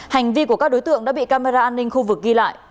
hành vi của các đối tượng đã bị camera an ninh khu vực ghi lại